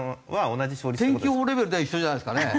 天気予報レベルでは一緒じゃないですかね。